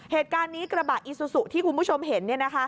เหตุการณ์นี้กระบะอีซูซุที่คุณผู้ชมเห็น